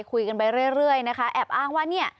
คุยกันไปเรื่อยนะคะแอบอ้างว่าเนี่ย